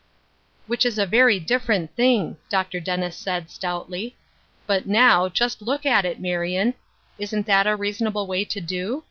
" Which is a very different thing," Dr. Dennis said, stoutly. " J^ut, now, just look at it, Marion. Isn't that the reasonable way to do